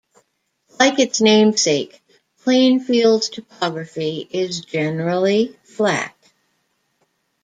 Like its namesake, Plainfield's topography is generally flat.